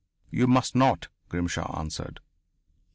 "You must not," Grimshaw answered.